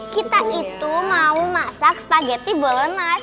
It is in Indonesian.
kita itu mau masak spaghetti bolognese